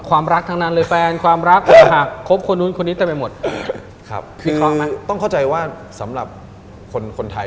ความรักทั้งนั้นเลยแฟนความรักคำหาก